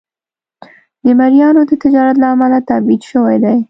د مریانو د تجارت له امله تبعید شوی دی.